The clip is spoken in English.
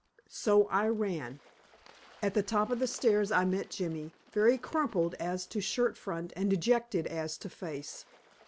So I ran. At the top of the stairs I met Jimmy, very crumpled as to shirt front and dejected as to face.